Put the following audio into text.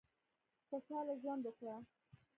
خوشاله ژوند وکړه.